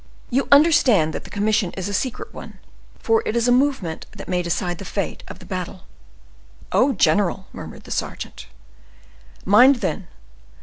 You understand that the commission is a secret one, for it is a movement that may decide the fate of the battle." "Oh, general!" murmured the sergeant. "Mind, then!